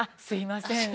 すみません。